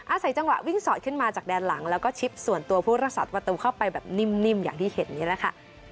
อาศัยจังหวะวิ่งสอดขึ้นมาจากแดนหลังแล้วก็ชิปส่วนตัวผู้รักษาประตูเข้าไปแบบนิ่มอย่างที่เห็นนี่แหละค่ะ